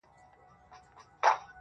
ځوان د تکي زرغونې وني نه لاندي.